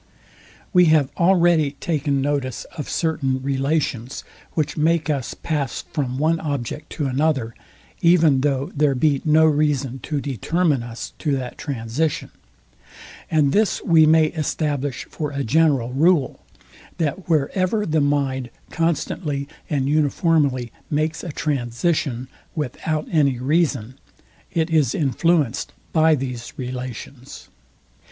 We have already taken notice of certain relations, which make us pass from one object to another, even though there be no reason to determine us to that transition; and this we may establish for a general rule, that wherever the mind constantly and uniformly makes a transition without any reason, it is influenced by these relations.